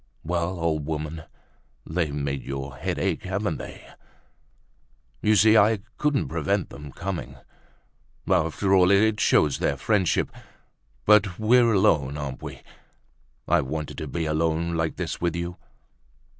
"Well, old woman, they've made your head ache, haven't they? You see I couldn't prevent them coming. After all, it shows their friendship. But we're better alone, aren't we? I wanted to be alone like this with you.